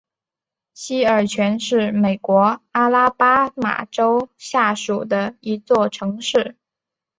西尔泉是美国阿拉巴马州下属的一座城市。